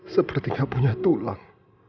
seperti gak punya tulang